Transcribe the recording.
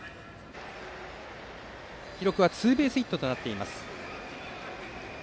記録はツーベースヒットとなっています。